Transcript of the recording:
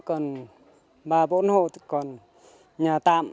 còn ba bốn hộ thì còn nhà tạm